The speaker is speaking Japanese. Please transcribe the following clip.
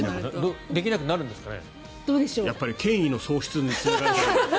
できなくなるんですかね。